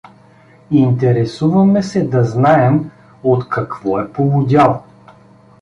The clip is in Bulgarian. — Интересуваме се да знаем от какво е полудял?